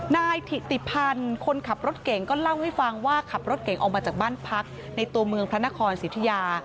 นายถิติพันธ์คนขับรถเก่งก็เล่าให้ฟังว่าขับรถเก่งออกมาจากบ้านพักในตัวเมืองพระนครสิทธิยา